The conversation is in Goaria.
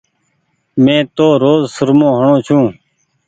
مي تو روز سرمو هڻو ڇون ۔